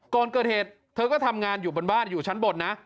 ก่อนเกิดเหตุเธอก็ทำงานอยู่บนบ้านอยู่ชั้นบนนะ